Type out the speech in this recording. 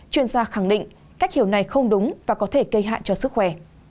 chuyên gia khẳng định cách hiểu này không đúng và có thể gây hại cho sức khỏe